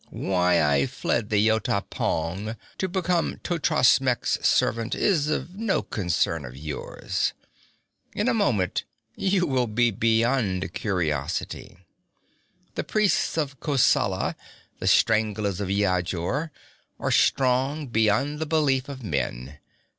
'Why I fled from Yota pong to become Totrasmek's servant is no concern of yours. In a moment you will be beyond curiosity. The priests of Kosala, the stranglers of Yajur, are strong beyond the belief of men.